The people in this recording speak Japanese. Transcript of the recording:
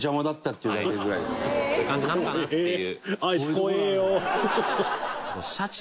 そういう感じなのかなっていう。